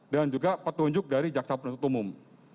dan juga petunjuk dari jaksa penutup umum